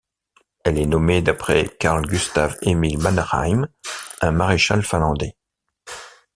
Elle est nommée d'après Carl Gustaf Emil Mannerheim, un maréchal finlandais.